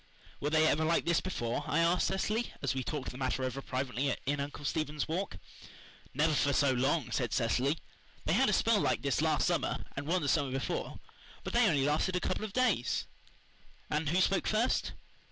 "Were they ever like this before?" I asked Cecily, as we talked the matter over privately in Uncle Stephen's Walk. "Never for so long," said Cecily. "They had a spell like this last summer, and one the summer before, but they only lasted a couple of days." "And who spoke first?"